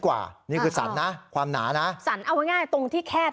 กว่านี่คือสรรนะความหนานะสรรเอาง่ายตรงที่แคบ